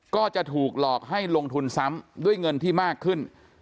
ก็จะถูกหลอกให้ลงทุนซ้ำด้วยเงินที่มากขึ้น